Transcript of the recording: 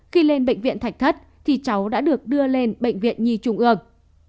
khi lên bệnh viện thạch thất thì cháu đã được đưa lên bệnh viện nhi trung ương